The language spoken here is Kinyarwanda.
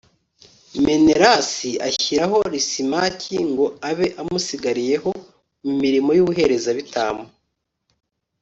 menelasi ashyiraho lisimaki, ngo abe amusigariyeho mu mirimo y'ubuherezabitambo